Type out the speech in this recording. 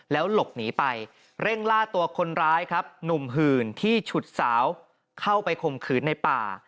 แล้วหลบหนีไปเร่งล่าตัวคนร้ายครับหนุ่มหื่นที่ฉุดสาวเข้าไปข่มขืนในป่า